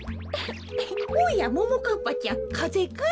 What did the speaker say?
おやももかっぱちゃんかぜかい？